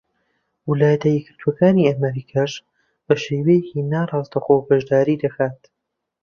ویلایەتە یەکگرتووەکانی ئەمریکاش بە شێوەیەکی ناڕاستەوخۆ بەشداری دەکات.